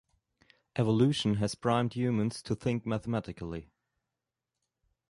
"Evolution has primed humans to think mathematically".